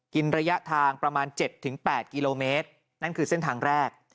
ระยะทางประมาณ๗๘กิโลเมตรนั่นคือเส้นทางแรก